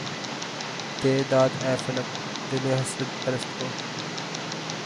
دے داد اے فلک! دلِ حسرت پرست کو